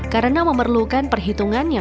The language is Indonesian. karena memerlukan perhitungan yang gampang